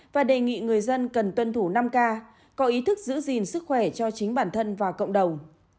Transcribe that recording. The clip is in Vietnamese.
và đề nghị người dân cần tuân thủ năm k có ý thức giữ gìn sức khỏe cho chính bản thân và cộng đồng